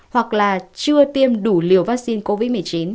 hoặc là chưa tiêm đủ liều vaccine covid một mươi chín